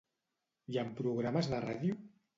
I en programes de ràdio?